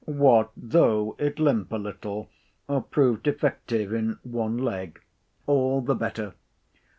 What though it limp a little, or prove defective in one leg—all the better.